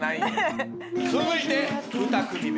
続いて２組目。